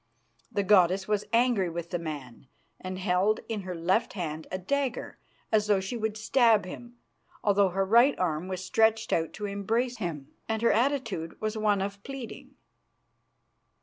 The goddess was angry with the man, and held in her left hand a dagger as though she would stab him, although her right arm was stretched out to embrace him and her attitude was one of pleading.